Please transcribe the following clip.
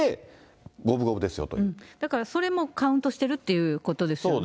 だからそれもカウントしているということですよね。